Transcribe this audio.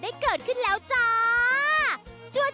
เกิดขึ้นแล้วจ้า